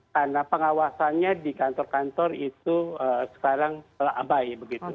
karena pengawasannya di kantor kantor itu sekarang abai